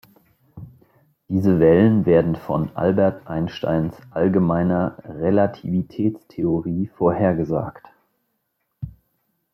Diese Wellen werden von Albert Einsteins Allgemeiner Relativitätstheorie vorhergesagt.